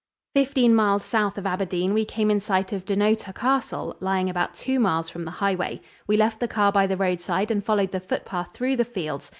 Fifteen miles south of Aberdeen we came in sight of Dunnottar Castle, lying about two miles from the highway. We left the car by the roadside and followed the footpath through the fields.